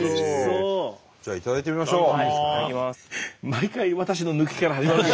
じゃあ頂いてみましょう。